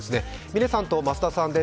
嶺さんと増田さんです。